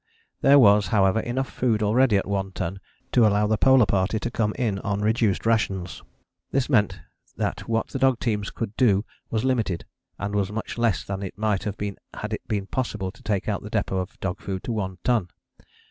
There was, however, enough food already at One Ton to allow the Polar Party to come in on reduced rations. This meant that what the dog teams could do was limited, and was much less than it might have been had it been possible to take out the depôt of dog food to One Ton.